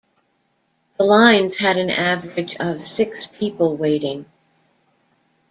The lines had an average of six people waiting.